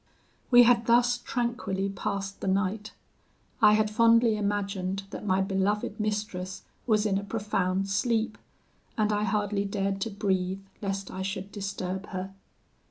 "We had thus tranquilly passed the night. I had fondly imagined that my beloved mistress was in a profound sleep, and I hardly dared to breathe lest I should disturb her.